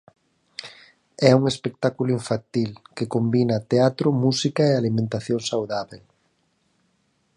É un espectáculo infantil que combina teatro, música e alimentación saudábel.